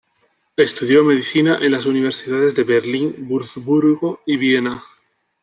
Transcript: Estudió Medicina en las universidades de Berlín, Wurzburgo y Viena.